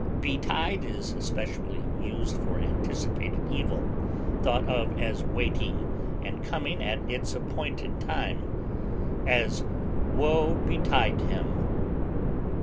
Betide is especially used for anticipated evil, thought of as waiting and coming at its appointed time; as, wo betide him!